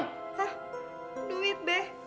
hah duit be